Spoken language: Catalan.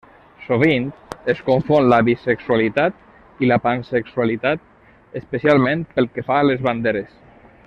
Sovint es confon la bisexualitat i la pansexualitat, especialment pel que fa a les banderes.